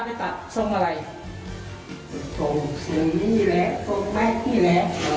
ตรงนี้แหละตรงแม็กซ์นี่แหละอ๋อ